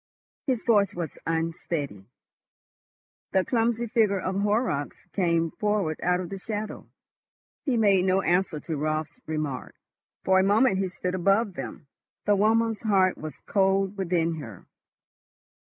His voice was unsteady. The clumsy figure of Horrocks came forward out of the shadow. He made no answer to Raut's remark. For a moment he stood above them. The woman's heart was cold within her.